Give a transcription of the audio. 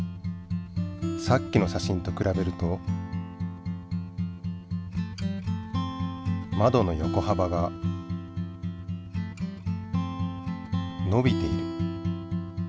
さっきの写真とくらべるとまどの横はばがのびている。